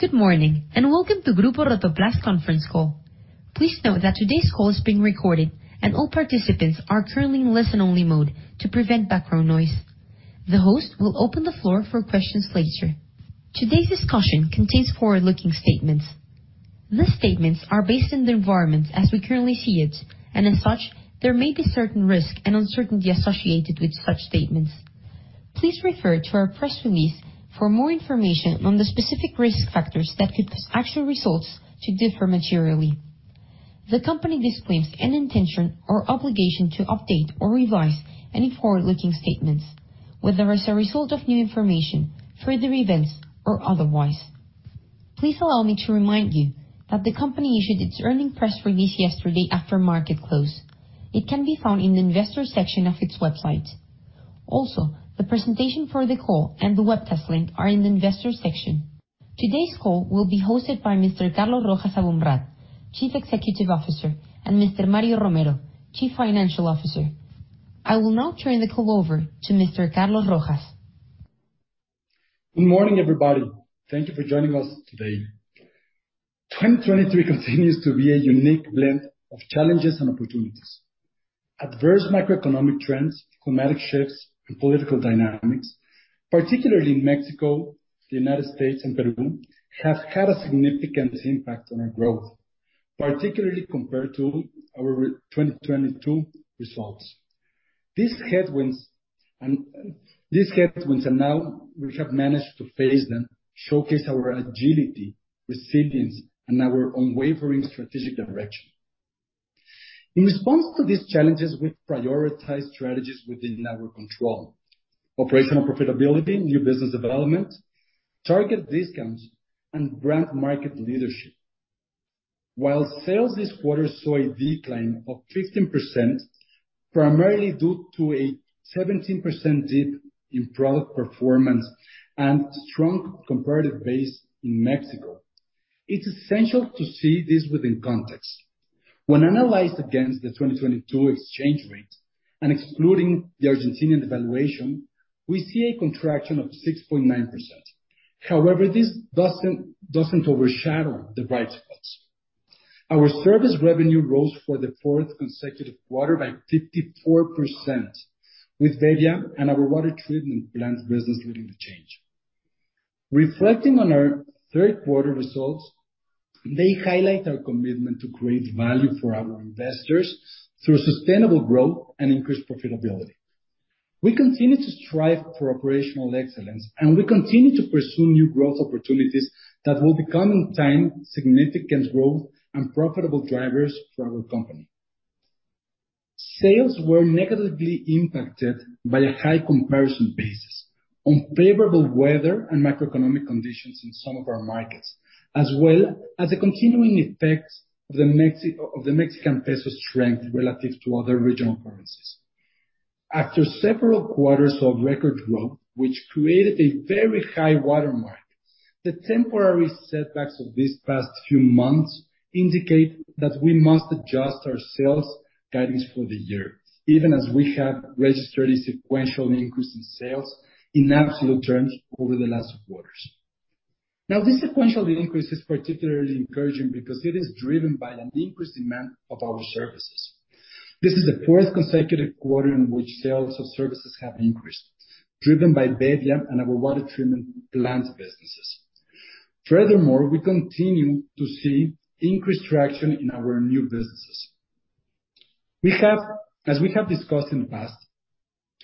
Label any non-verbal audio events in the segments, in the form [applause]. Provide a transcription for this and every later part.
Good morning, and welcome to Grupo Rotoplas conference call. Please note that today's call is being recorded, and all participants are currently in listen-only mode to prevent background noise. The host will open the floor for questions later. Today's discussion contains forward-looking statements. These statements are based on the environment as we currently see it, and as such, there may be certain risk and uncertainty associated with such statements. Please refer to our press release for more information on the specific risk factors that could cause actual results to differ materially. The company disclaims any intention or obligation to update or revise any forward-looking statements, whether as a result of new information, further events, or otherwise. Please allow me to remind you that the company issued its earnings press release yesterday after market close. It can be found in the investor section of its website. Also, the presentation for the call and the webcast link are in the investor section. Today's call will be hosted by Mr. Carlos Rojas Aboumrad, Chief Executive Officer, and Mr. Mario Romero, Chief Financial Officer. I will now turn the call over to Mr. Carlos Rojas. Good morning, everybody. Thank you for joining us today. 2023 continues to be a unique blend of challenges and opportunities. Adverse macroeconomic trends, climatic shifts, and political dynamics, particularly in Mexico, the United States, and Peru, have had a significant impact on our growth, particularly compared to our 2022 results. These headwinds, and now we have managed to face them, showcase our agility, resilience, and our unwavering strategic direction. In response to these challenges, we've prioritized strategies within our control, operational profitability, new business development, target discounts, and brand market leadership. While sales this quarter saw a decline of 15%, primarily due to a 17% dip in product performance and strong comparative base in Mexico, it's essential to see this within context. When analyzed against the 2022 exchange rate and excluding the Argentinian devaluation, we see a contraction of 6.9%. However, this doesn't overshadow the bright spots. Our service revenue rose for the fourth consecutive quarter by 54%, with Bebbia and our water treatment plants business leading the change. Reflecting on our third quarter results, they highlight our commitment to create value for our investors through sustainable growth and increased profitability. We continue to strive for operational excellence, and we continue to pursue new growth opportunities that will become, in time, significant growth and profitable drivers for our company. Sales were negatively impacted by a high comparison basis, unfavorable weather and macroeconomic conditions in some of our markets, as well as the continuing effects of the Mexican peso strength relative to other regional currencies. After several quarters of record growth, which created a very high water mark, the temporary setbacks of these past few months indicate that we must adjust our sales guidance for the year, even as we have registered a sequential increase in sales in absolute terms over the last quarters. Now, this sequential increase is particularly encouraging because it is driven by an increased demand of our services. This is the fourth consecutive quarter in which sales of services have increased, driven by Bebbia and our water treatment plants businesses. Furthermore, we continue to see increased traction in our new businesses. As we have discussed in the past,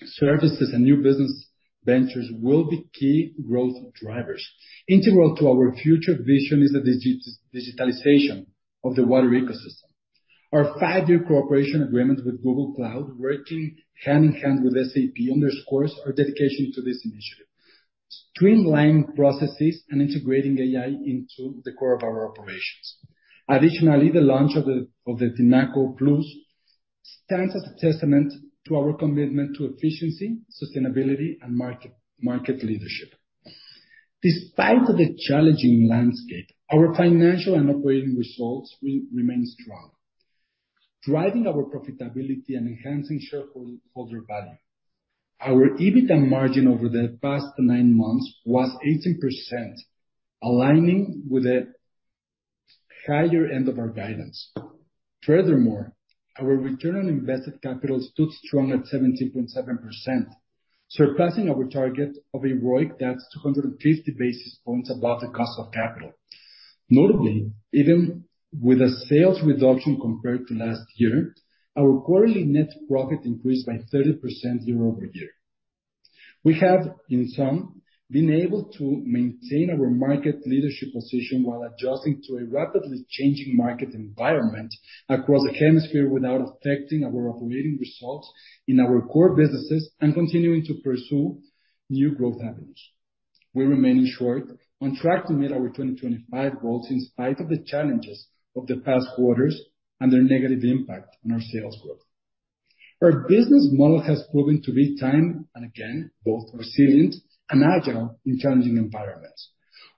services and new business ventures will be key growth drivers. Integral to our future vision is the digitalization of the water ecosystem. Our five-year cooperation agreement with Google Cloud, working hand-in-hand with SAP, underscores our dedication to this initiative, streamlining processes and integrating AI into the core of our operations. Additionally, the launch of the Tinaco Plus stands as a testament to our commitment to efficiency, sustainability, and market leadership. Despite the challenging landscape, our financial and operating results remain strong, driving our profitability and enhancing shareholder value. Our EBITDA margin over the past nine months was 18%, aligning with the higher end of our guidance. Furthermore, our return on invested capital stood strong at 17.7%, surpassing our target of a ROIC that's 250 basis points above the cost of capital. Notably, even with a sales reduction compared to last year, our quarterly net profit increased by 30% year-over-year. We have, in sum, been able to maintain our market leadership position while adjusting to a rapidly changing market environment across the hemisphere without affecting our operating results in our core businesses and continuing to pursue new growth avenues. We remain, in short, on track to meet our 2025 goals in spite of the challenges of the past quarters and their negative impact on our sales growth. Our business model has proven to be, time and again, both resilient and agile in challenging environments.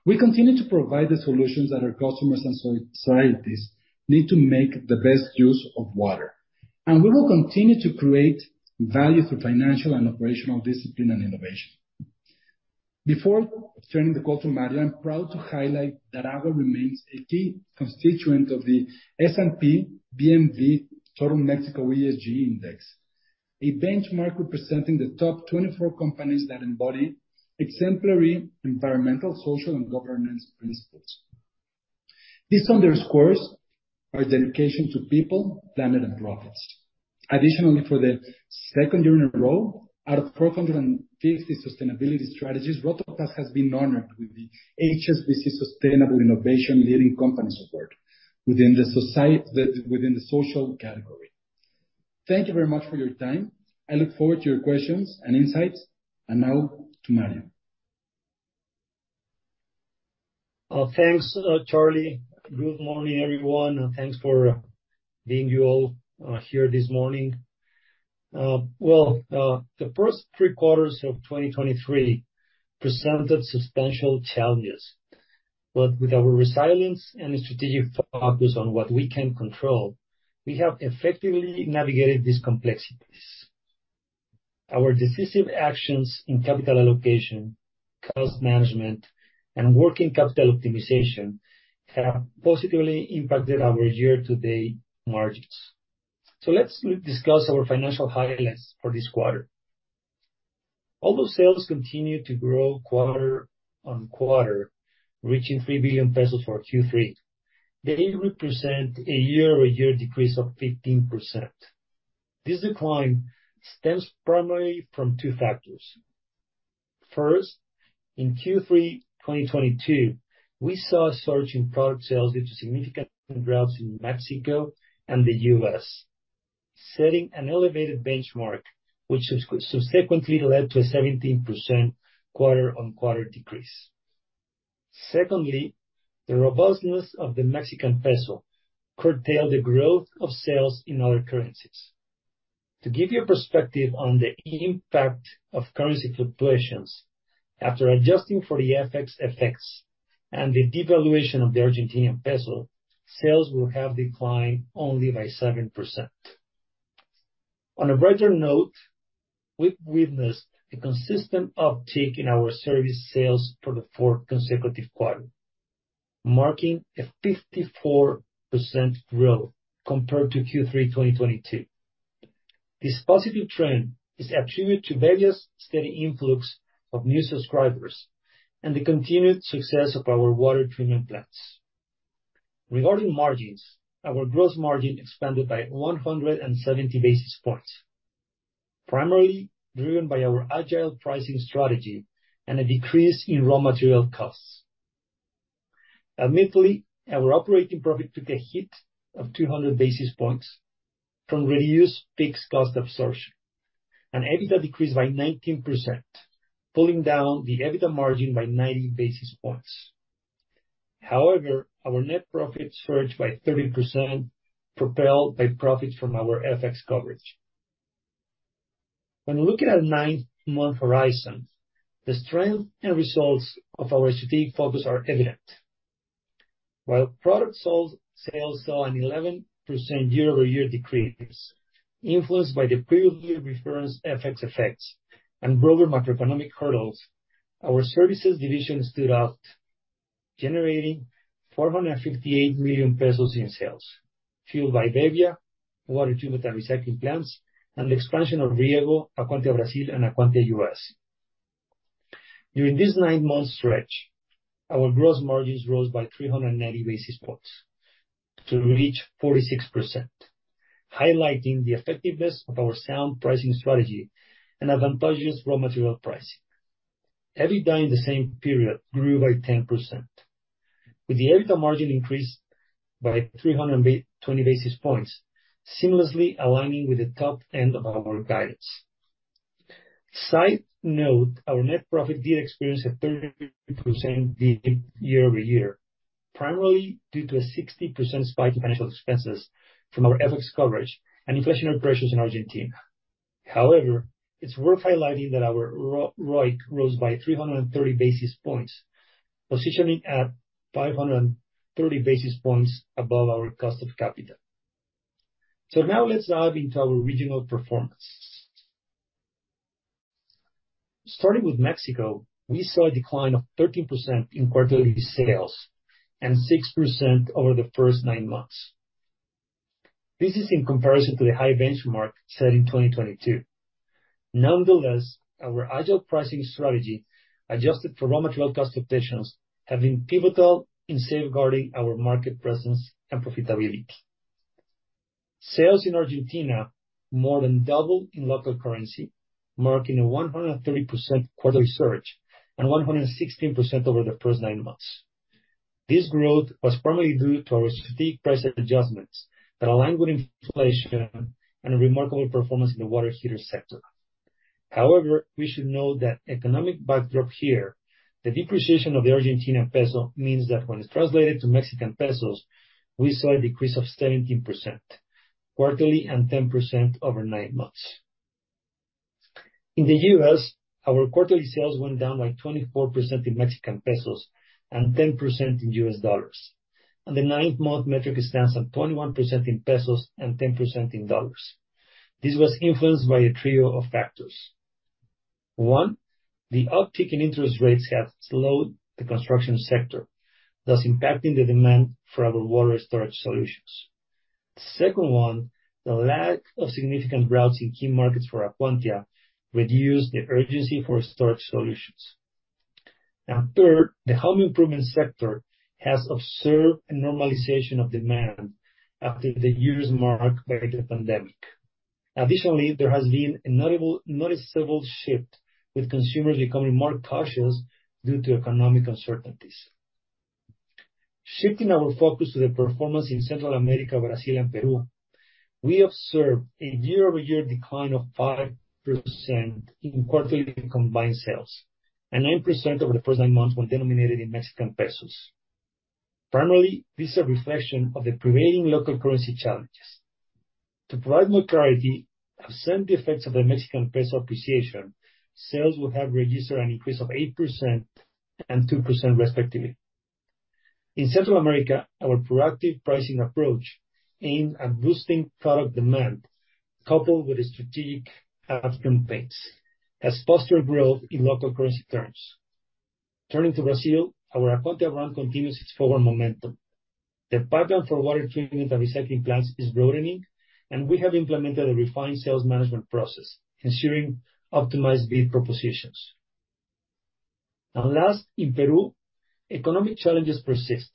We continue to provide the solutions that our customers and societies need to make the best use of water. We will continue to create value through financial and operational discipline and innovation. Before turning the call to Mario, I'm proud to highlight that AGUA remains a key constituent of the S&P/BMV Total Mexico ESG Index, a benchmark representing the top 24 companies that embody exemplary environmental, social, and governance principles. This underscores our dedication to people, planet, and profits. Additionally, for the second year in a row, out of 450 sustainability strategies, Rotoplas has been honored with the HSBC Sustainable Innovation Leading Company award within the social category. Thank you very much for your time. I look forward to your questions and insights, and now to Mario. Thanks, Charlie. Good morning, everyone, and thanks for being you all here this morning. Well, the first three quarters of 2023 presented substantial challenges, but with our resilience and strategic focus on what we can control, we have effectively navigated these complexities. Our decisive actions in capital allocation, cost management, and working capital optimization have positively impacted our year-to-date margins. Let's discuss our financial highlights for this quarter. Although sales continue to grow quarter-on-quarter, reaching 3 billion pesos for Q3, they represent a year-over-year decrease of 15%. This decline stems primarily from two factors. First, in Q3 2022, we saw a surge in product sales due to significant droughts in Mexico and the U.S., setting an elevated benchmark, which subsequently led to a 17% quarter-on-quarter decrease. Secondly, the robustness of the Mexican peso curtailed the growth of sales in other currencies. To give you a perspective on the impact of currency fluctuations, after adjusting for the FX effects and the devaluation of the Argentine peso, sales will have declined only by 7%. On a brighter note, we've witnessed a consistent uptick in our service sales for the fourth consecutive quarter, marking a 54% growth compared to Q3, 2022. This positive trend is attributed to various steady influx of new subscribers and the continued success of our water treatment plants. Regarding margins, our gross margin expanded by 170 basis points, primarily driven by our agile pricing strategy and a decrease in raw material costs. Admittedly, our operating profit took a hit of 200 basis points from reduced fixed cost absorption, and EBITDA decreased by 19%, pulling down the EBITDA margin by 90 basis points. However, our net profit surged by 30%, propelled by profits from our FX coverage. When looking at a nine-month horizon, the strength and results of our strategic focus are evident. While product sales, sales saw an 11% year-over-year decrease, influenced by the previously referenced FX effects and broader macroeconomic hurdles, our services division stood out, generating 458 million pesos in sales, fueled by Bebbia, water treatment and recycling plants, and the expansion of Riego, Acuantia Brasil, and Acuantia U.S. During this nine-month stretch, our gross margins rose by 390 basis points to reach 46%, highlighting the effectiveness of our sound pricing strategy and advantageous raw material pricing. EBITDA in the same period grew by 10%, with the EBITDA margin increase by 320 basis points, seamlessly aligning with the top end of our guidance. Side note, our net profit did experience a 30% dip year-over-year, primarily due to a 60% spike in financial expenses from our FX coverage and inflationary pressures in Argentina. However, it's worth highlighting that our ROIC rose by 330 basis points, positioning at 530 basis points above our cost of capital. So now let's dive into our regional performance. Starting with Mexico, we saw a decline of 13% in quarterly sales and 6% over the first nine months. This is in comparison to the high benchmark set in 2022. Nonetheless, our agile pricing strategy, adjusted for raw material cost fluctuations, have been pivotal in safeguarding our market presence and profitability. Sales in Argentina more than doubled in local currency, marking a 130% quarterly surge and 116% over the first nine months. This growth was primarily due to our strategic price adjustments that aligned with inflation and a remarkable performance in the water heater sector. However, we should note that economic backdrop here, the depreciation of the Argentine peso, means that when it's translated to Mexican pesos, we saw a decrease of 17% quarterly and 10% over nine months. In the U.S., our quarterly sales went down by 24% in Mexican pesos and 10% in U.S. dollars, and the nine-month metric stands at 21% in pesos and 10% in dollars. This was influenced by a trio of factors. One, the uptick in interest rates have slowed the construction sector, thus impacting the demand for our water storage solutions. Second one, the lack of significant droughts in key markets for Acuantia reduced the urgency for storage solutions. And third, the home improvement sector has observed a normalization of demand after the years marked by the pandemic. Additionally, there has been a notable, noticeable shift, with consumers becoming more cautious due to economic uncertainties. Shifting our focus to the performance in Central America, Brazil, and Peru, we observed a year-over-year decline of 5% in quarterly combined sales, and 9% over the first nine months when denominated in Mexican pesos. Primarily, this is a reflection of the prevailing local currency challenges. To provide more clarity, absent the effects of the Mexican peso appreciation, sales will have registered an increase of 8% and 2%, respectively. In Central America, our proactive pricing approach aimed at boosting product demand, coupled with strategic ad campaigns, has fostered growth in local currency terms. Turning to Brazil, our Acuantia brand continues its forward momentum. The pipeline for water treatment and recycling plants is broadening, and we have implemented a refined sales management process, ensuring optimized bid propositions. Last, in Peru, economic challenges persist,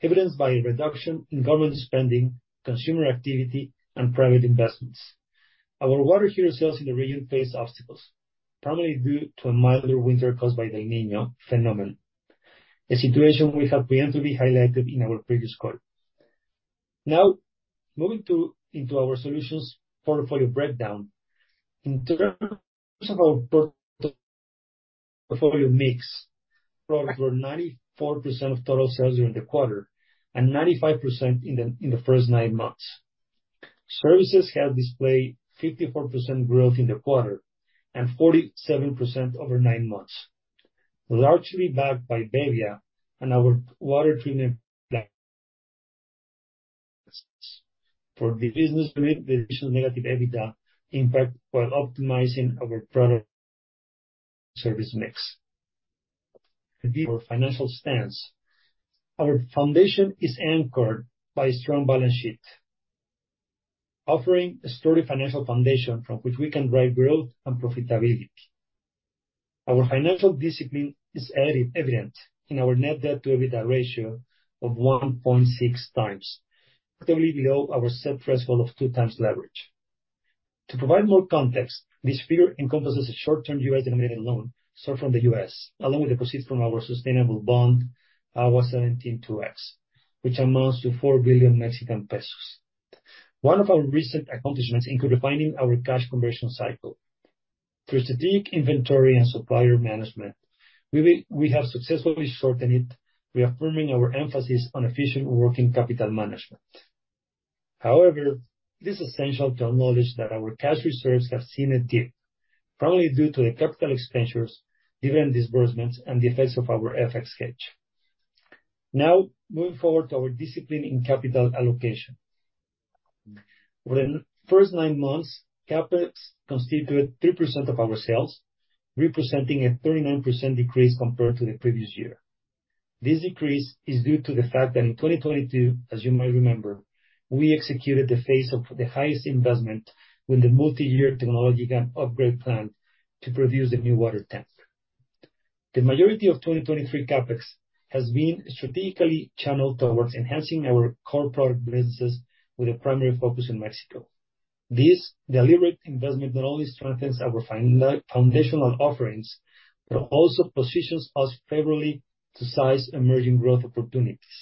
evidenced by a reduction in government spending, consumer activity, and private investments. Our water heater sales in the region faced obstacles, primarily due to a milder winter caused by the El Niño phenomenon, a situation we have preemptively highlighted in our previous call. Now, moving into our solutions portfolio breakdown. In terms of our portfolio mix, products were 94% of total sales during the quarter and 95% in the first nine months. Services have displayed 54% growth in the quarter and 47% over nine months, largely backed by Bebbia and our water treatment plants. [audio distortion] For the business, the business negative EBITDA, in fact, while optimizing our product service mix. Our financial stance. Our foundation is anchored by a strong balance sheet, offering a sturdy financial foundation from which we can drive growth and profitability. Our financial discipline is evident in our net debt to EBITDA ratio of 1.6 times, comfortably below our set threshold of two times leverage. To provide more context, this figure encompasses a short-term U.S. denominated loan sourced from the U.S., along with deposits from our sustainable bond, our 17-2X, which amounts to 4 billion Mexican pesos. One of our recent accomplishments include refining our cash conversion cycle. Through strategic inventory and supplier management, we have successfully shortened it, reaffirming our emphasis on efficient working capital management. However, it is essential to acknowledge that our cash reserves have seen a dip, primarily due to the capital expenditures, dividend disbursements, and the effects of our FX hedge. Now, moving forward to our discipline in capital allocation. For the first nine months, CapEx constituted 3% of our sales, representing a 39% decrease compared to the previous year. This decrease is due to the fact that in 2022, as you might remember, we executed the phase of the highest investment with the multi-year technology upgrade plan to produce the new water tank. The majority of 2023 CapEx has been strategically channeled towards enhancing our core product businesses with a primary focus in Mexico. This deliberate investment not only strengthens our foundational offerings, but also positions us favorably to size emerging growth opportunities.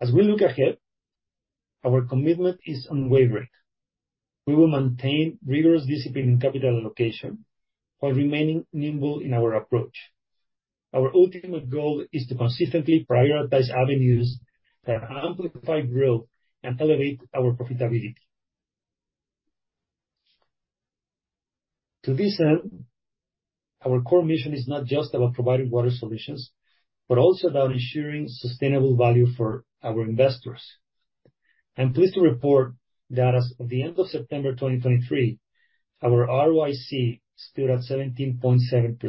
As we look ahead, our commitment is unwavering. We will maintain rigorous discipline in capital allocation while remaining nimble in our approach. Our ultimate goal is to consistently prioritize avenues that amplify growth and elevate our profitability. To this end, our core mission is not just about providing water solutions, but also about ensuring sustainable value for our investors. I'm pleased to report that as of the end of September 2023, our ROIC stood at 17.7%.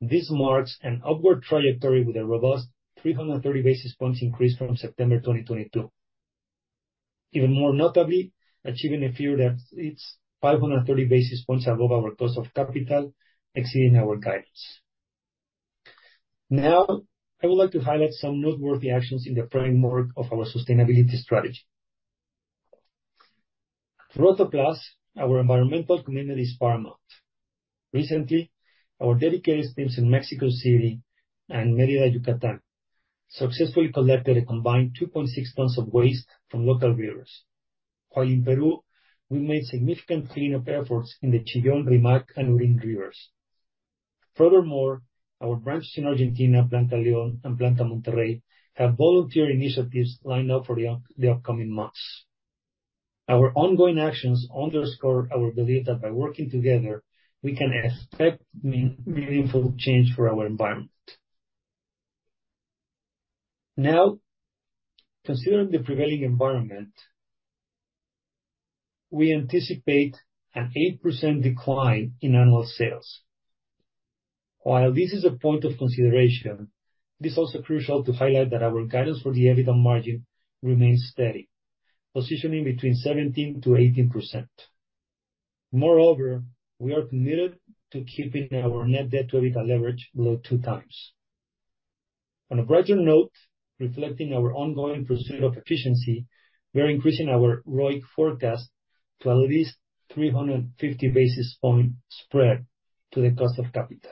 This marks an upward trajectory with a robust 330 basis points increase from September 2022. Even more notably, achieving a figure that it's 530 basis points above our cost of capital, exceeding our guidance. Now, I would like to highlight some noteworthy actions in the framework of our sustainability strategy. For Rotoplas, our environmental community is paramount. Recently, our dedicated teams in Mexico City and Mérida, Yucatán, successfully collected a combined 2.6 tons of waste from local rivers. While in Peru, we made significant cleanup efforts in the Chillón, Rímac, and Lurín rivers. Furthermore, our branches in Argentina, Planta León and Planta Monterrey, have volunteer initiatives lined up for the upcoming months. Our ongoing actions underscore our belief that by working together, we can expect meaningful change for our environment. Now, considering the prevailing environment, we anticipate an 8% decline in annual sales. While this is a point of consideration, it is also crucial to highlight that our guidance for the EBITDA margin remains steady, positioning between 17%-18%. Moreover, we are committed to keeping our net debt to EBITDA leverage below 2x. On a brighter note, reflecting our ongoing pursuit of efficiency, we are increasing our ROIC forecast to at least 350 basis points spread to the cost of capital.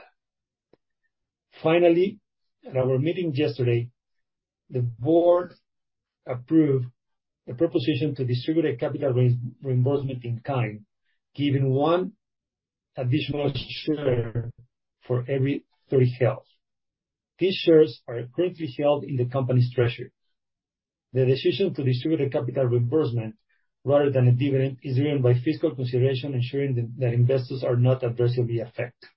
Finally, at our meeting yesterday, the board approved a proposition to distribute a capital reimbursement in kind, giving one additional share for every three held. These shares are currently held in the company's treasury. The decision to distribute a capital reimbursement rather than a dividend is driven by fiscal consideration, ensuring that investors are not adversely affected.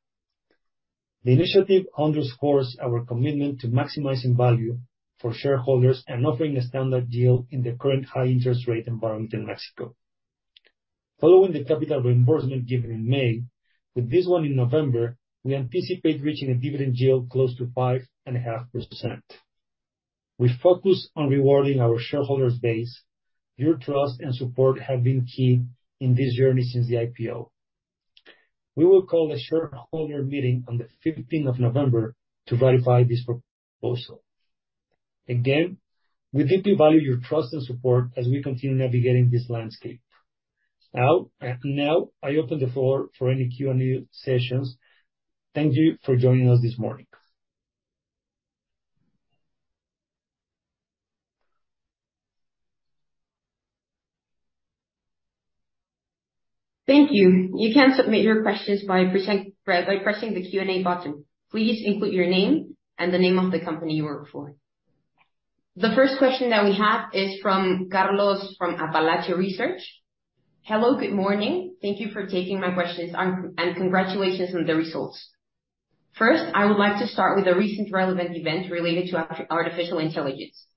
The initiative underscores our commitment to maximizing value for shareholders and offering a standard deal in the current high interest rate environment in Mexico. Following the capital reimbursement given in May, with this one in November, we anticipate reaching a dividend yield close to 5.5%. We focus on rewarding our shareholder's base. Your trust and support have been key in this journey since the IPO. We will call a shareholder meeting on the November 15 to ratify this proposal. Again, we deeply value your trust and support as we continue navigating this landscape. Now, now, I open the floor for any Q&A sessions. Thank you for joining us this morning. Thank you. You can submit your questions by pressing the Q&A button. Please include your name and the name of the company you work for. The first question that we have is from Carlos, from [Apptio] Research. Hello, good morning. Thank you for taking my questions, and congratulations on the results. First, I would like to start with a recent relevant event related to artificial intelligence.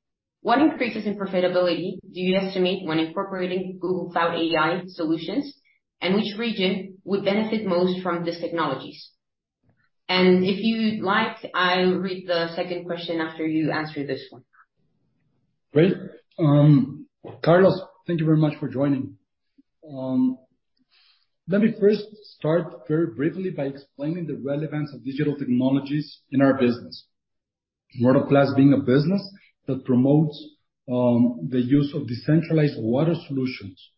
What increases in profitability do you estimate when incorporating Google Cloud AI solutions, and which region would benefit most from these technologies? And if you'd like, I'll read the second question after you answer this one. Great. Carlos, thank you very much for joining. Let me first start very briefly by explaining the relevance of digital technologies in our business. Water Plus being a business that promotes the use of decentralized water solutions,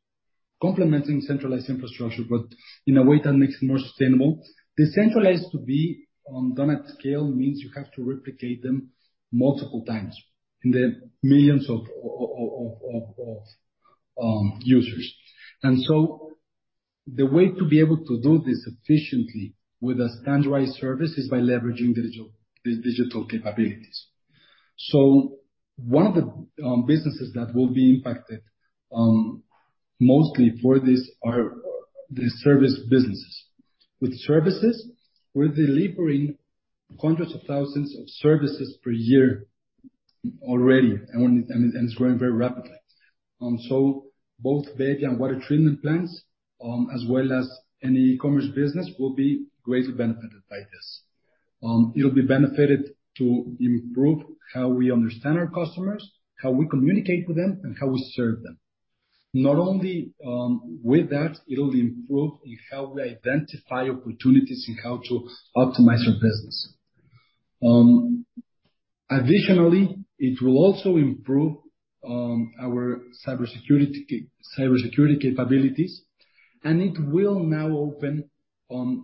complementing centralized infrastructure, but in a way that makes it more sustainable. Decentralized to be done at scale means you have to replicate them multiple times in the millions of users. The way to be able to do this efficiently with a standardized service is by leveraging digital, the digital capabilities. One of the businesses that will be impacted mostly for this are the service businesses. With services, we're delivering hundreds of thousands of services per year already, and it's growing very rapidly. So both Bebbia and water treatment plants, as well as any e-commerce business, will be greatly benefited by this. It'll be benefited to improve how we understand our customers, how we communicate with them, and how we serve them. Not only with that, it'll improve in how we identify opportunities and how to optimize our business. Additionally, it will also improve our cybersecurity capabilities, and it will now open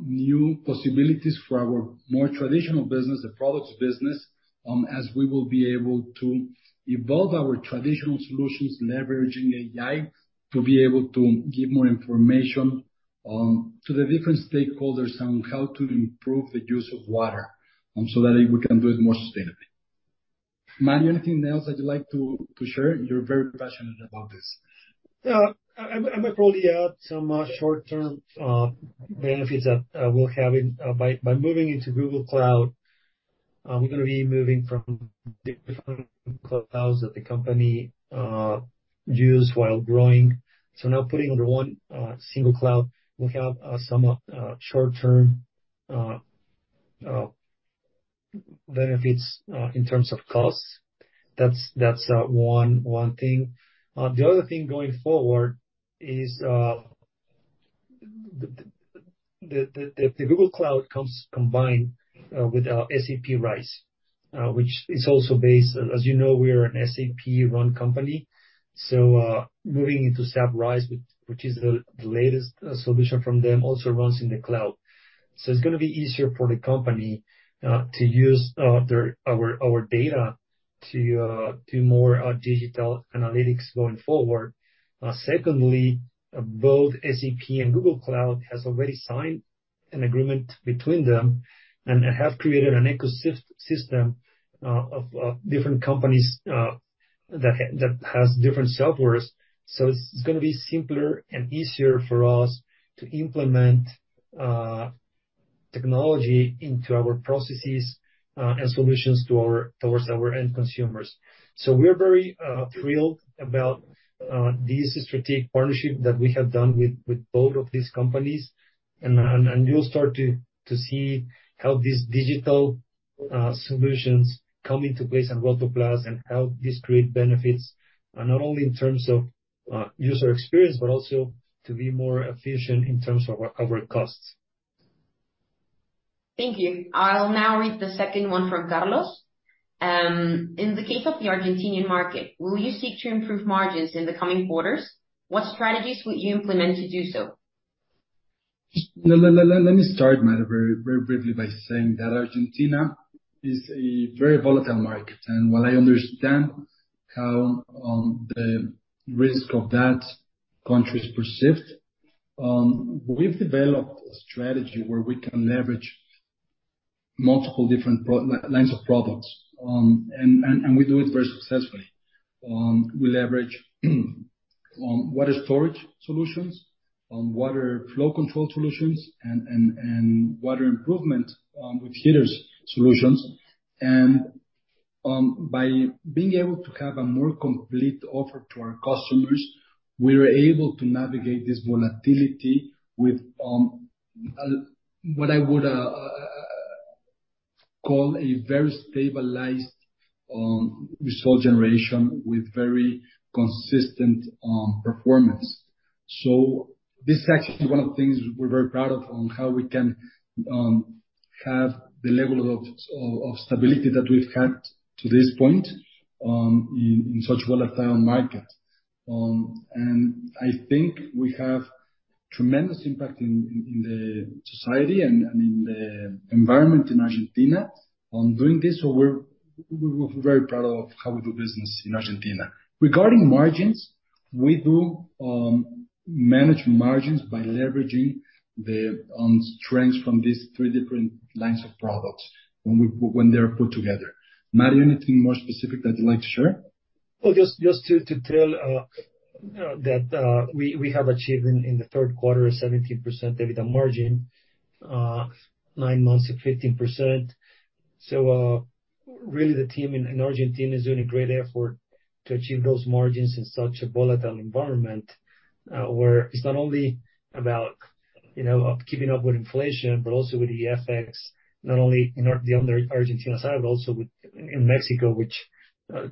new possibilities for our more traditional business, the products business, as we will be able to evolve our traditional solutions, leveraging AI to be able to give more information to the different stakeholders on how to improve the use of water, so that we can do it more sustainably. Mario, anything else that you'd like to share? You're very passionate about this. Yeah. I might probably add some short-term benefits that we're having. By moving into Google Cloud, we're gonna be moving from different clouds that the company used while growing. Now putting under one single cloud, we have some short-term benefits in terms of costs. That's one thing. The other thing going forward is the Google Cloud comes combined with our SAP RISE, which is also based, as you know, we are an SAP-run company, so moving into SAP RISE, which is the latest solution from them, also runs in the cloud. It's gonna be easier for the company to use their, our, our data to do more digital analytics going forward. Secondly, both SAP and Google Cloud has already signed an agreement between them and have created an ecosystem of different companies that has different softwares. So, it's gonna be simpler and easier for us to implement technology into our processes and solutions towards our end consumers. So, we are very thrilled about this strategic partnership that we have done with both of these companies. And you'll start to see how these digital solutions come into place in Rotoplas, and how this create benefits, not only in terms of user experience, but also to be more efficient in terms of our costs. Thank you. I'll now read the second one from Carlos. In the case of the Argentine market, will you seek to improve margins in the coming quarters? What strategies would you implement to do so? Let me start, Mario, very, very briefly by saying that Argentina is a very volatile market. And while I understand how the risk of that country is perceived, we've developed a strategy where we can leverage multiple different product lines of products. And we do it very successfully. We leverage water storage solutions, water flow control solutions, and water improvement with heaters solutions. And by being able to have a more complete offer to our customers, we're able to navigate this volatility with what I would call a very stabilized result generation, with very consistent performance. So this is actually one of the things we're very proud of, on how we can have the level of stability that we've had to this point, in such volatile market. And I think we have tremendous impact in the society and in the environment in Argentina on doing this, so we're very proud of how we do business in Argentina. Regarding margins, we do manage margins by leveraging the strengths from these three different lines of products when they're put together. Mario, anything more specific that you'd like to share? Well, just to tell that we have achieved in the third quarter a 17% EBITDA margin, nine months of 15%. So, really, the team in Argentina is doing a great effort to achieve those margins in such a volatile environment, where it's not only about, you know, keeping up with inflation, but also with the FX, not only on the Argentina side, but also with in Mexico, which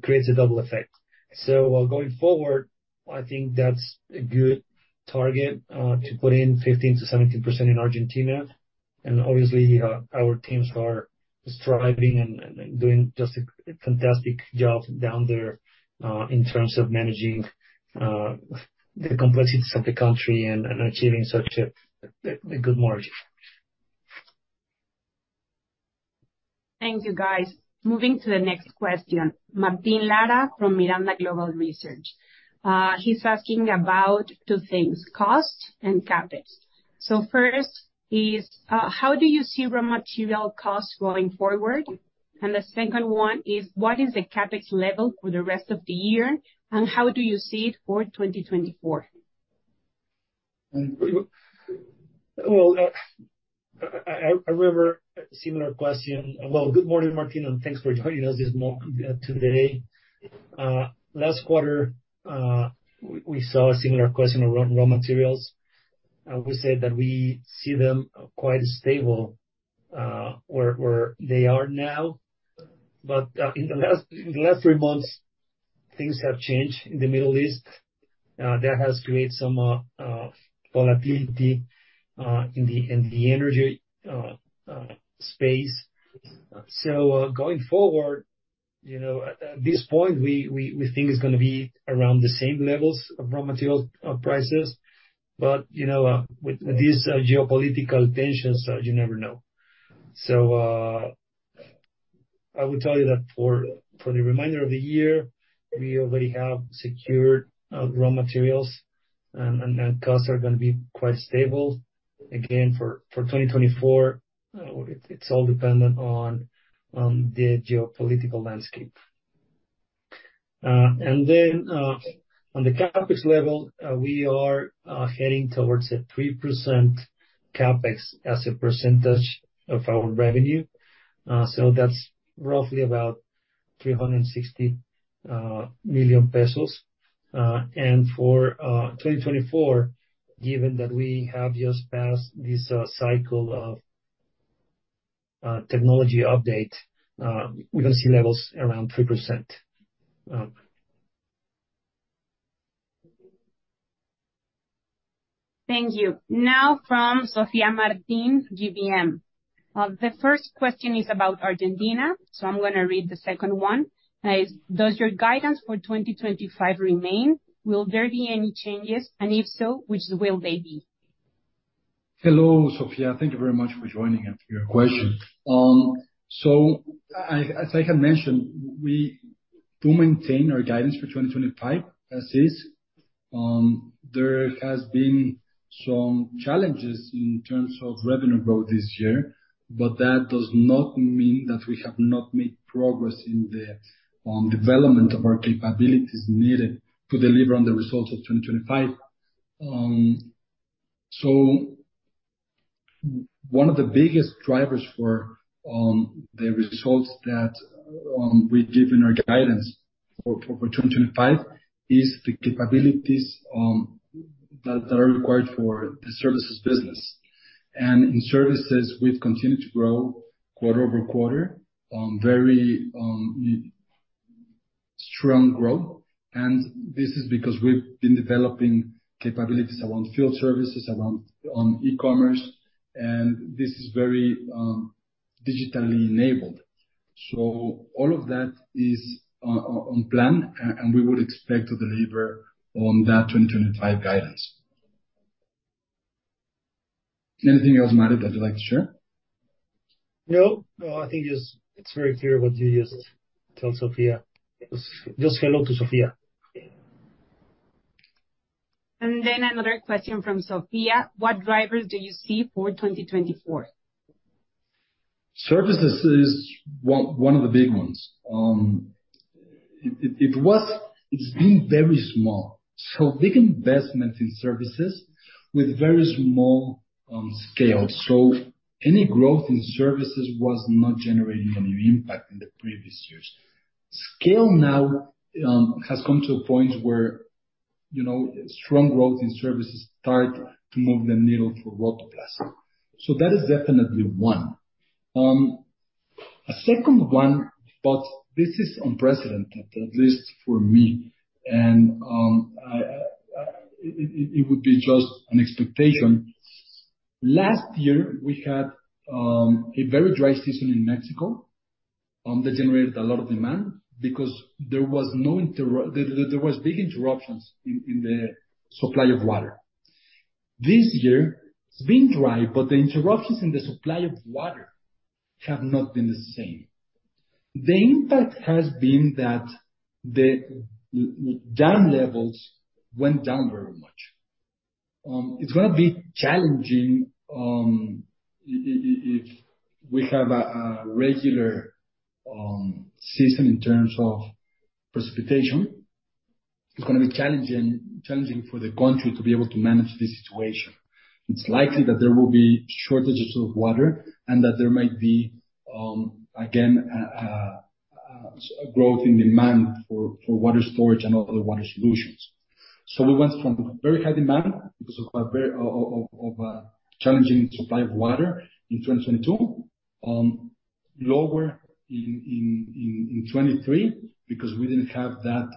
creates a double effect. So, while going forward, I think that's a good target to put in 15%-17% in Argentina. And obviously, our teams are striving and doing just a fantastic job down there in terms of managing the complexities of the country and achieving such a good margin. Thank you, guys. Moving to the next question, Martin Lara from Miranda Global Research. He's asking about two things: cost and CapEx. So, first is, how do you see raw material costs going forward? And the second one is: What is the CapEx level for the rest of the year, and how do you see it for 2024? Well, I remember a similar question. Well, good morning, Martin, and thanks for joining us today. Last quarter, we saw a similar question around raw materials, and we said that we see them quite stable, where they are now. But, in the last three months, things have changed in the Middle East. That has created some volatility in the energy space. So, going forward, you know, at this point, we think it's gonna be around the same levels of raw material prices. But, you know, with these geopolitical tensions, you never know. So, I would tell you that for the remainder of the year, we already have secured raw materials, and costs are gonna be quite stable. Again, for 2024, it's all dependent on the geopolitical landscape. And then, on the CapEx level, we are heading towards a 3% CapEx as a percentage of our revenue. So that's roughly about 360 million pesos. And for 2024, given that we have just passed this cycle of technology update, we're gonna see levels around 3%. Thank you. Now from Sophia Martin, GBM. The first question is about Argentina, so I'm gonna read the second one, and it's: Does your guidance for 2025 remain? Will there be any changes, and if so, which will they be? Hello, Sophia. Thank you very much for joining and for your question. So, as I had mentioned, we do maintain our guidance for 2025 as is. There has been some challenges in terms of revenue growth this year, but that does not mean that we have not made progress in the development of our capabilities needed to deliver on the results of 2025. So one of the biggest drivers for the results that we give in our guidance for 2025 is the capabilities that are required for the services business. And in services, we've continued to grow quarter-over-quarter, very strong growth. And this is because we've been developing capabilities around field services, around e-commerce, and this is very digitally enabled. All of that is on plan, and we would expect to deliver on that 2025 guidance. Anything else, Mario, that you'd like to share? No. No, I think it's, it's very clear what you just told Sophia. Just hello to Sophia. Another question from Sophia. What drivers do you see for 2024? Services is one of the big ones. It was it's been very small. So big investments in services with very small scale. So any growth in services was not generating any impact in the previous years. Scale now has come to a point where, you know, strong growth in services start to move the needle for Rotoplas. So that is definitely one. A second one, but this is unprecedented, at least for me, and it would be just an expectation. Last year, we had a very dry season in Mexico that generated a lot of demand because there was no interrupt, there was big interruptions in the supply of water. This year, it's been dry, but the interruptions in the supply of water have not been the same. The impact has been that the dam levels went down very much. It's gonna be challenging if we have a regular season in terms of precipitation. It's gonna be challenging for the country to be able to manage the situation. It's likely that there will be shortages of water, and that there might be again a growth in demand for water storage and other water solutions. So we went from very high demand because of a very challenging supply of water in 2022, lower in 2023 because we didn't have that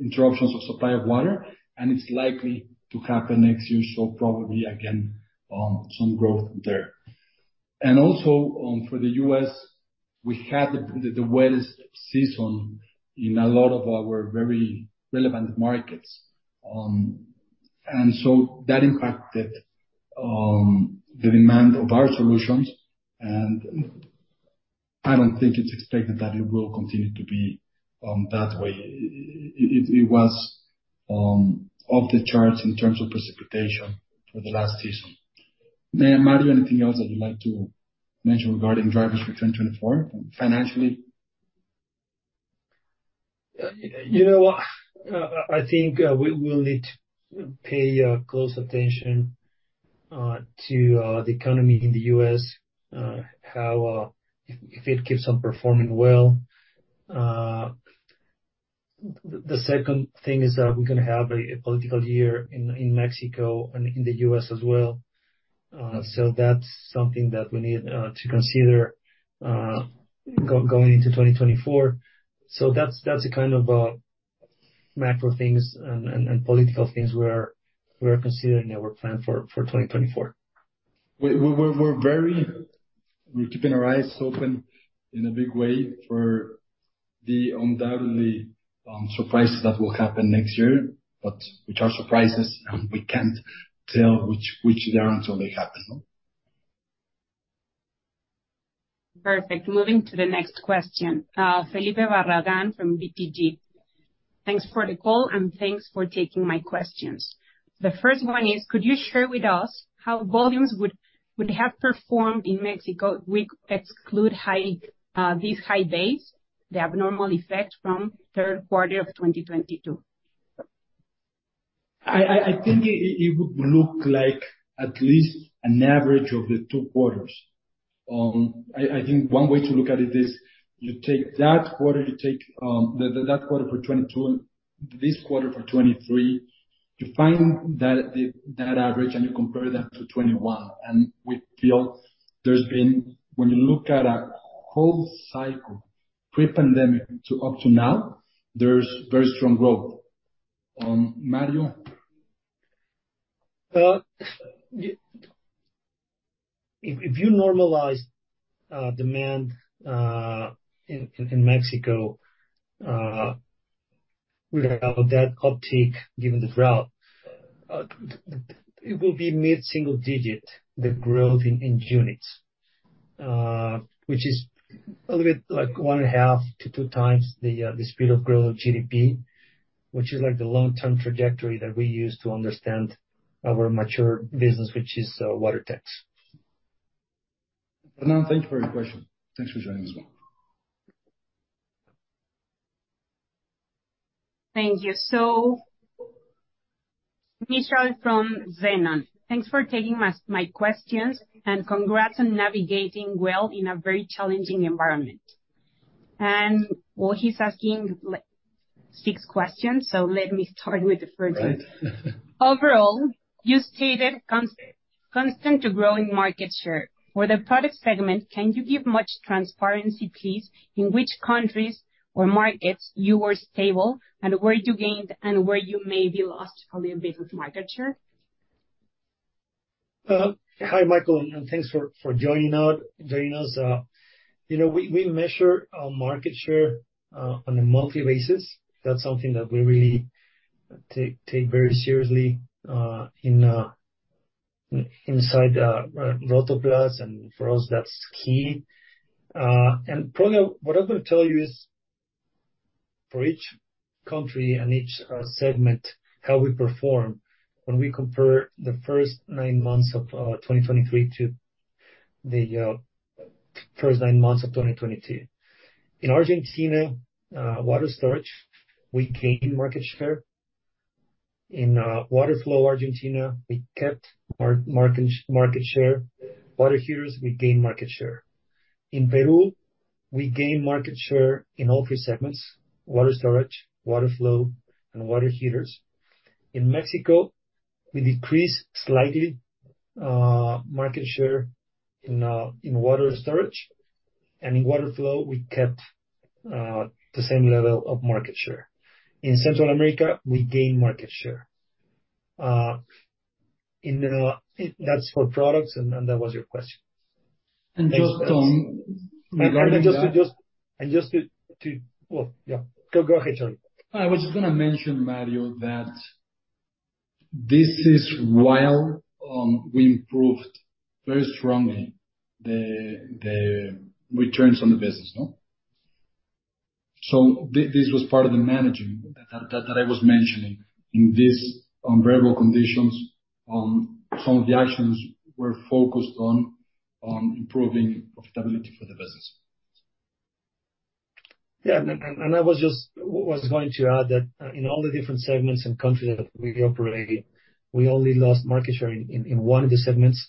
interruptions of supply of water, and it's likely to happen next year, so probably again some growth there. And also, for the U.S., we had the wettest season in a lot of our very relevant markets. And so that impacted the demand of our solutions, and I don't think it's expected that it will continue to be that way. It was off the charts in terms of precipitation for the last season. Mario, anything else that you'd like to mention regarding drivers for 2024 financially? You know what? I think we'll need to pay close attention to the economy in the U.S., how if it keeps on performing well. The second thing is that we're gonna have a political year in Mexico and in the U.S. as well. So that's something that we need to consider going into 2024. So that's the kind of macro things and political things we are considering in our plan for 2024. We're very, we're keeping our eyes open in a big way for the undoubtedly surprises that will happen next year, but which are surprises, and we can't tell which they are until they happen, no? Perfect. Moving to the next question. Felipe Barragan from BTG. Thanks for the call, and thanks for taking my questions. The first one is: Could you share with us how volumes would have performed in Mexico we exclude high, these high days, the abnormal effect from third quarter of 2022? I think it would look like at least an average of the two quarters. I think one way to look at it is you take that quarter, you take that quarter for 2022, this quarter for 2023, you find that average, and you compare that to 2021. And we feel there's been. When you look at a whole cycle, pre-pandemic to up to now, there's very strong growth. Mario? If you normalize demand in Mexico without that uptick, given the drought, it will be mid-single digit, the growth in units. Which is a little bit like 1.5-2x the speed of growth of GDP, which is like the long-term trajectory that we use to understand our mature business, which is Water Techs. Thank you for your question. Thanks for joining as well. Thank you. So Michael from Zenon, thanks for taking my questions, and congrats on navigating well in a very challenging environment. Well, he's asking like six questions, so let me start with the first. Overall, you stated constant to growing market share. For the product segment, can you give much transparency, please, in which countries or markets you were stable, and where you gained and where you maybe lost a little bit with market share? Hi, Michael, and thanks for joining us. You know, we measure our market share on a monthly basis. That's something that we really take very seriously inside Rotoplas, and for us, that's key. And probably what I'm gonna tell you is for each country and each segment, how we perform when we compare the first nine months of 2023 to the first nine months of 2022. In Argentina, water storage, we gained market share. In water flow, Argentina, we kept our market share. Water heaters, we gained market share. In Peru, we gained market share in all three segments: water storage, water flow, and water heaters. In Mexico, we decreased slightly market share in water storage, and in water flow, we kept the same level of market share. In Central America, we gained market share. And then, that's for products, and that was your question. And just, [crosstalk] regarding that. And just to, well, yeah. Go ahead, Charlie. I was just gonna mention, Mario, that this is while we improved very strongly the returns on the business, no? So this was part of the managing that I was mentioning in this unbearable conditions, some of the actions were focused on improving profitability for the business. Yeah, I was just going to add that in all the different segments and countries that we operate, we only lost market share in one of the segments.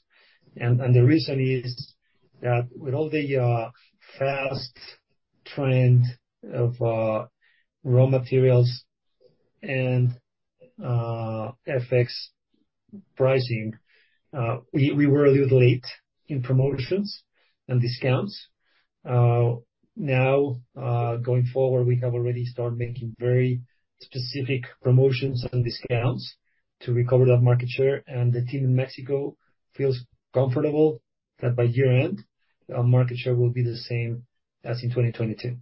The reason is that with all the fast trend of raw materials and FX pricing, we were a little late in promotions and discounts. Now, going forward, we have already started making very specific promotions and discounts to recover that market share, and the team in Mexico feels comfortable that by year-end, our market share will be the same as in 2022.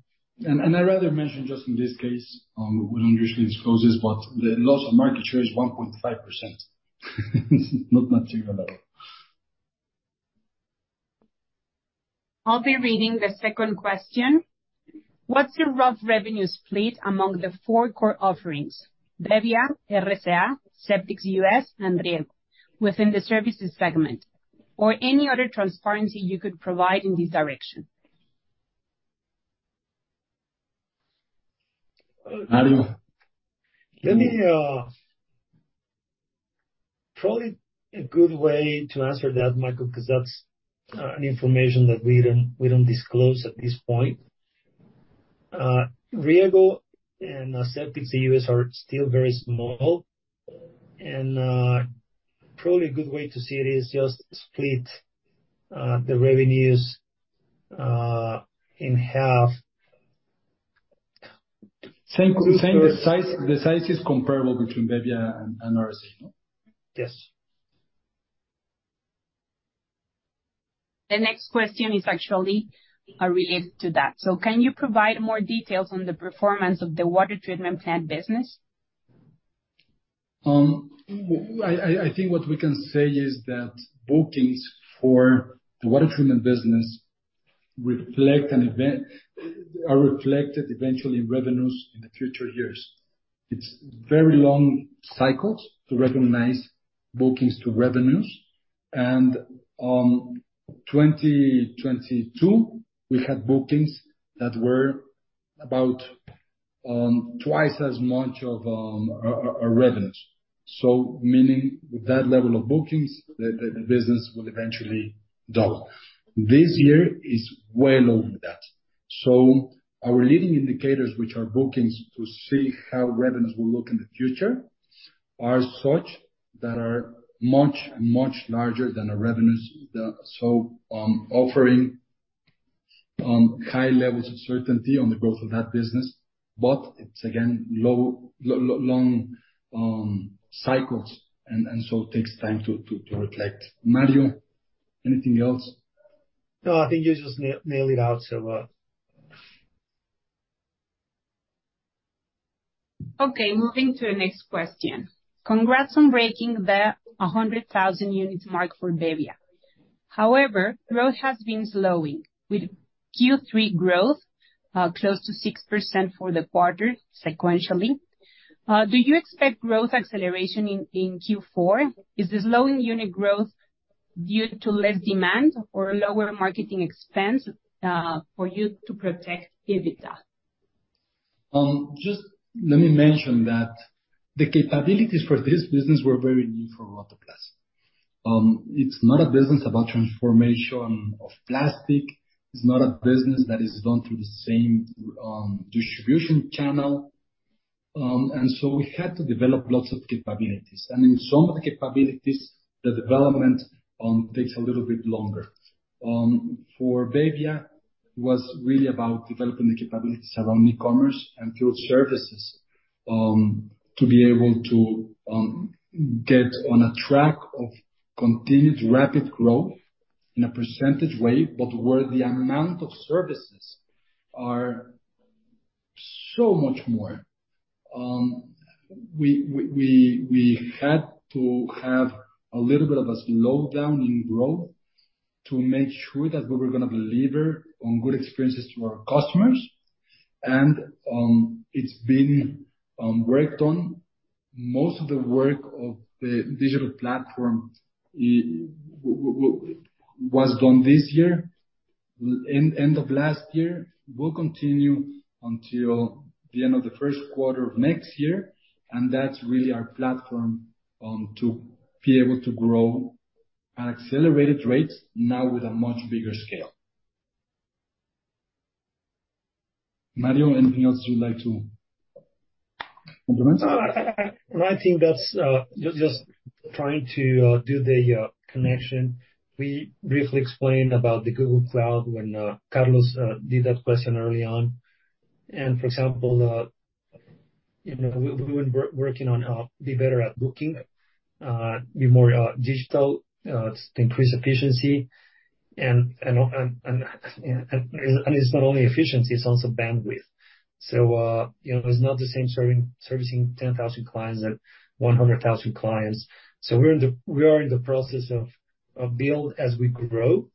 I rather mention just in this case, we don't usually disclose this, but the loss of market share is 1.5%. Not material at all. I'll be reading the second question. What's your rough revenue split among the four core offerings, Bebbia, [RCA], Septics US, and Riego, within the services segment, or any other transparency you could provide in this direction? Mario? Let me. Probably a good way to answer that, Michael, 'cause that's an information that we don't, we don't disclose at this point. Riego and Septics U.S. are still very small, and probably a good way to see it is just split the revenues in half. Same, the size is comparable between Bebbia and RCA, no? Yes. The next question is actually related to that. So can you provide more details on the performance of the water treatment plant business? I think what we can say is that bookings for the water treatment business are reflected eventually in revenues in the future years. It's very long cycles to recognize bookings to revenues, and 2022, we had bookings that were about twice as much of our revenues. So meaning with that level of bookings, the business will eventually double. This year is well over that. So our leading indicators, which are bookings, to see how revenues will look in the future, are such that are much larger than our revenues. So offering high levels of certainty on the growth of that business, but it's again long cycles, and so it takes time to reflect. Mario, anything else? No, I think you just nailed it out, so. Okay, moving to the next question. Congrats on breaking the 100,000 unit mark for Bebbia. However, growth has been slowing, with Q3 growth close to 6% for the quarter sequentially. Do you expect growth acceleration in Q4? Is the slowing unit growth due to less demand or lower marketing expense for you to protect EBITDA? Just let me mention that the capabilities for this business were very new for Rotoplas. It's not a business about transformation of plastic. It's not a business that is done through the same distribution channel. And so, we had to develop lots of capabilities. And in some of the capabilities, the development takes a little bit longer. For Bebbia, it was really about developing the capabilities around e-commerce and field services to be able to get on a track of continued rapid growth in a percentage way, but where the amount of services are so much more. We had to have a little bit of a slowdown in growth to make sure that we were gonna deliver on good experiences to our customers. And it's been worked on. Most of the work of the digital platform was done this year, end of last year. We'll continue until the end of the first quarter of next year, and that's really our platform to be able to grow at accelerated rates, now with a much bigger scale. Mario, anything else you'd like to contribute? I think that's just, just trying to do the connection. We briefly explained about the Google Cloud when Carlos did that question early on. For example, you know, we were working on be better at booking, be more digital to increase efficiency, and it's not only efficiency, it's also bandwidth. You know, it's not the same servicing 10,000 clients and 100,000 clients. We're in the process of build as we grow,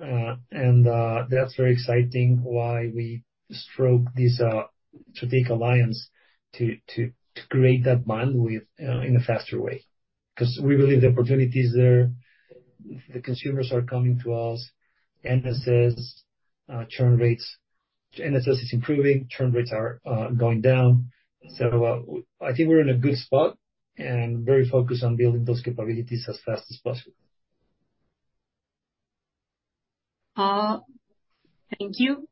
and that's very exciting, why we struck this strategic alliance to create that bandwidth in a faster way. 'Cause we believe the opportunity is there. The consumers are coming to us. NSS, churn rates. NPS is improving, churn rates are going down. So, I think we're in a good spot and very focused on building those capabilities as fast as possible. Thank you.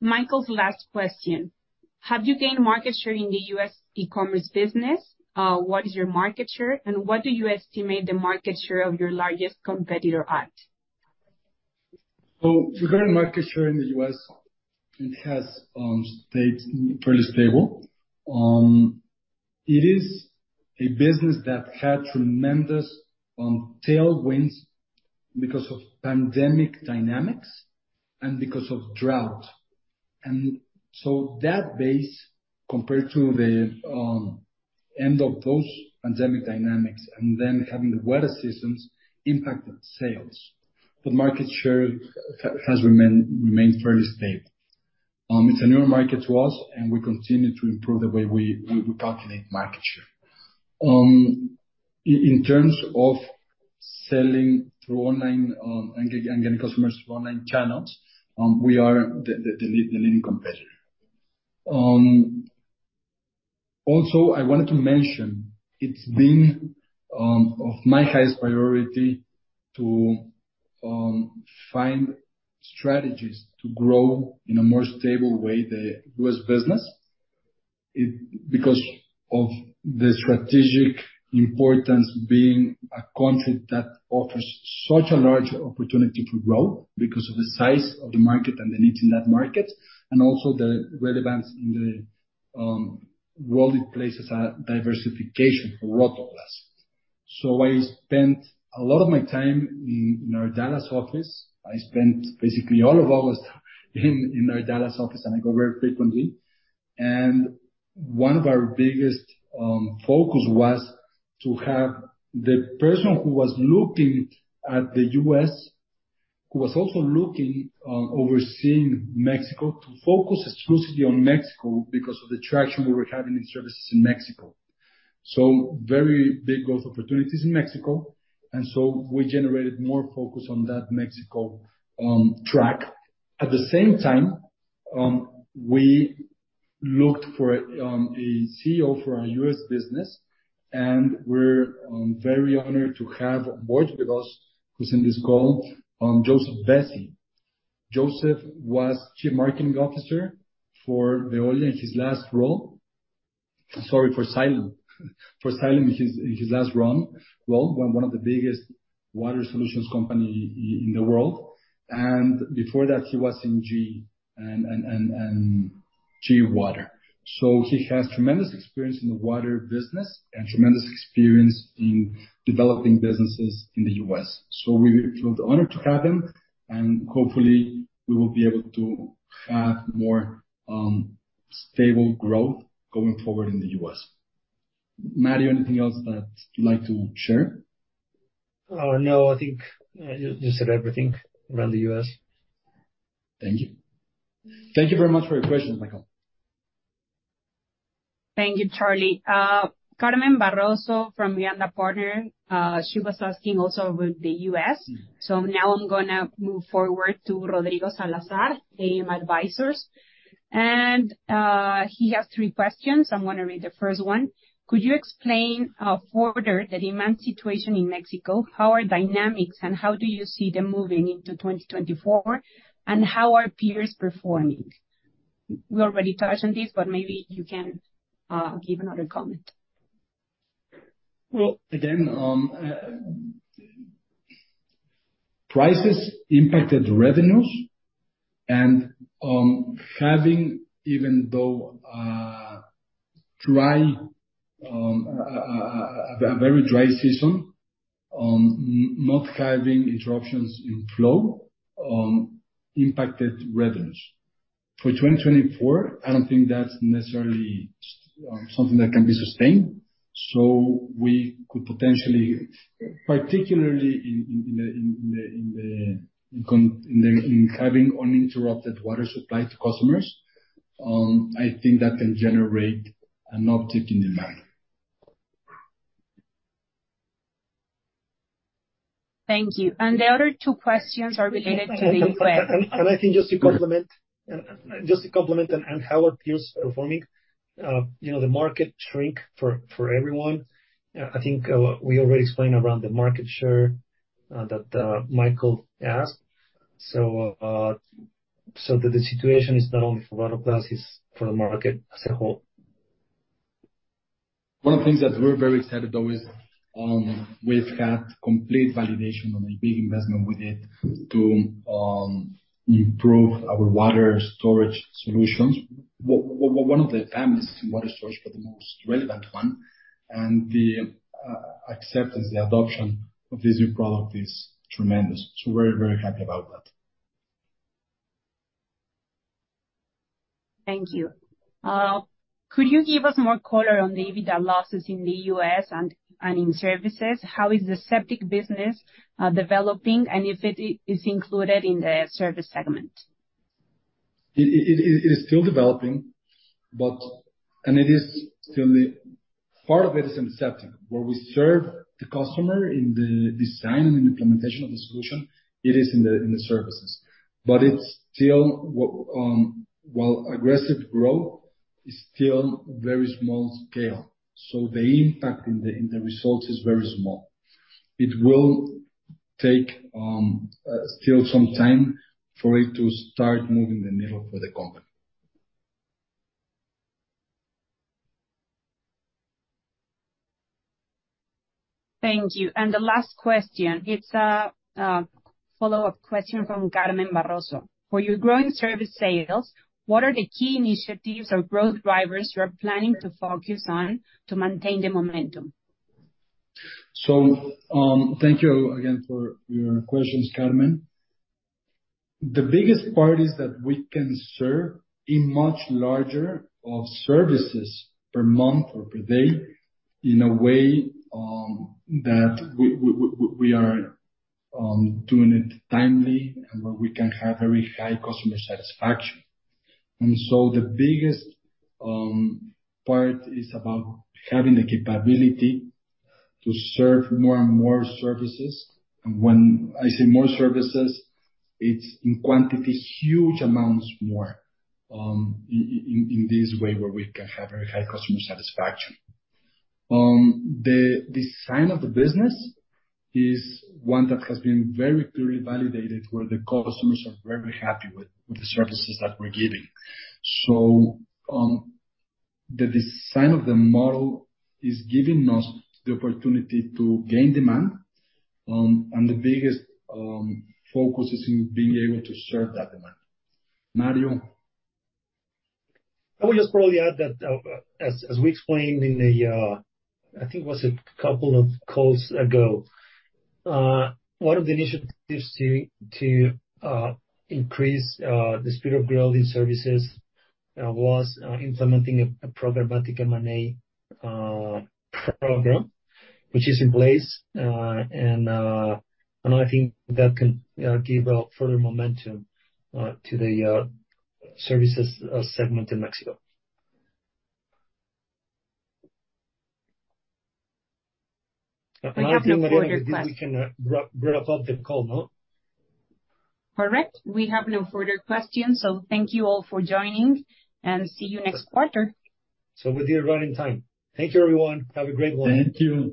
Michael's last question. Have you gained market share in the U.S. e-commerce business? What is your market share, and what do you estimate the market share of your largest competitor at? So regarding market share in the US, it has stayed fairly stable. It is a business that had tremendous tailwinds because of pandemic dynamics and because of drought. And so that base, compared to the end of those pandemic dynamics, and then having the weather systems, impacted sales. The market share has remained fairly stable. It's a newer market to us, and we continue to improve the way we calculate market share. In terms of selling through online and getting customers from online channels, we are the leading competitor. Also, I wanted to mention, it's been of my highest priority to find strategies to grow in a more stable way, the US business. Because of the strategic importance, being a country that offers such a large opportunity to grow because of the size of the market and the needs in that market, and also the relevance in the role it plays as a diversification for Rotoplas. So I spent a lot of my time in our Dallas office. I spent basically all of August in our Dallas office, and I go very frequently. And one of our biggest focus was to have the person who was looking at the U.S., who was also looking on overseeing Mexico, to focus exclusively on Mexico because of the traction we were having in services in Mexico. So very big growth opportunities in Mexico, and so we generated more focus on that Mexico track. At the same time, we looked for a CEO for our US business, and we're very honored to have on board with us, who's in this call, Joseph Vesey. Joseph was Chief Marketing Officer for Xylem in his last role. Sorry, for Xylem. For Xylem, in his last run. Well, one of the biggest water solutions company in the world, and before that, he was in GE and GE Water. So, he has tremendous experience in the water business and tremendous experience in developing businesses in the US. So, we feel honored to have him, and hopefully, we will be able to have more stable growth going forward in the US. Mario, anything else that you'd like to share? No, I think you said everything around the U.S. Thank you. Thank you very much for your question, Michael. Thank you, Charlie. Carmen Barroso from Partner, she was asking also about the US. So now I'm gonna move forward to Rodrigo Salazar, AM Advisors. And, he has three questions. I'm gonna read the first one: Could you explain further the demand situation in Mexico? How are dynamics, and how do you see them moving into 2024, and how are peers performing? We already touched on this, but maybe you can give another comment. Well, again, prices impacted revenues, and, having, even though a very dry season, not having interruptions in flow, impacted revenues. For 2024, I don't think that's necessarily something that can be sustained, so we could potentially, particularly in having uninterrupted water supply to customers, I think that can generate an uptick in demand. Thank you. And the other two questions are related to the [crosstalk] I think just to complement on how our peers are performing, you know, the market shrink for everyone. I think we already explained around the market share that Michael asked, so the situation is not only for Water Plus, it's for the market as a whole. One of the things that we're very excited though, is, we've had complete validation on a big investment we did to, improve our water storage solutions. One of the families in water storage, but the most relevant one, and the, acceptance, the adoption of this new product is tremendous. So we're very happy about that. Thank you. Could you give us more color on the EBITDA losses in the US and in services? How is the septic business developing, and if it is included in the service segment? It is still developing, but, and it is still the part of it is in septic, where we serve the customer in the design and implementation of the solution, it is in the services. But it's still, while aggressive growth is still very small scale, so the impact in the result is very small. It will take still some time for it to start moving the needle for the company. Thank you. The last question, it's a follow-up question from Carmen Barroso. For your growing service sales, what are the key initiatives or growth drivers you are planning to focus on to maintain the momentum? So, thank you again for your questions, Carmen. The biggest part is that we can serve a much larger of services per month or per day, in a way, that we are doing it timely and where we can have very high customer satisfaction. And so the biggest part is about having the capability to serve more and more services. And when I say more services, it's in quantities, huge amounts more, in this way, where we can have very high customer satisfaction. The design of the business is one that has been very clearly validated, where the customers are very happy with the services that we're giving. So, the design of the model is giving us the opportunity to gain demand, and the biggest focus is in being able to serve that demand. Mario? I would just probably add that, as we explained in a, I think it was a couple of calls ago, one of the initiatives to increase the speed of growth in services was implementing a programmatic M&A program, which is in place. And I think that can give further momentum to the services segment in Mexico. I think we can wrap up the call, no? Correct. We have no further questions, so thank you all for joining, and see you next quarter. We're right on time. Thank you, everyone. Have a great one. Thank you.